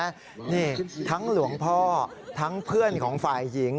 นี่ทั้งหลวงพ่อทั้งเพื่อนของฝ่ายหญิง